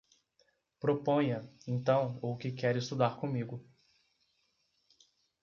Proponha, então, o que quer estudar comigo.